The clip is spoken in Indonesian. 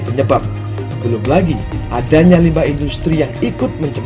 penyebab belum lagi adanya limba industri yang ikut mencemari